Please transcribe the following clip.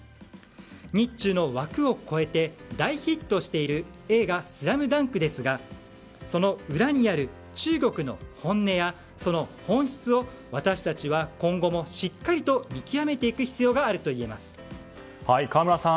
日中の枠を超えて大ヒットしている映画「ＳＬＡＭＤＵＮＫ」ですがその裏にある中国の本音や本質を私たちは今後もしっかりと見極めていく河村さん